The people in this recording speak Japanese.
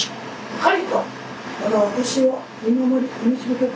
はい。